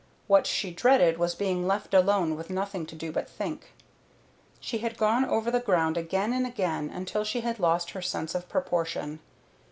What she dreaded was being left alone with nothing to do but think. She had gone over the ground again and again until she had lost her sense of proportion.